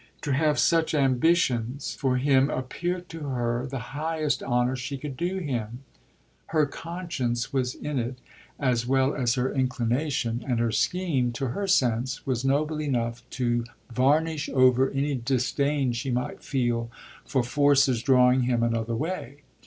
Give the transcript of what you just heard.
To have such ambitions for him appeared to her the highest honour she could do him; her conscience was in it as well as her inclination, and her scheme, to her sense, was noble enough to varnish over any disdain she might feel for forces drawing him another way.